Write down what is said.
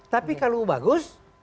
tapi kalau bagus